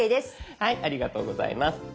ありがとうございます。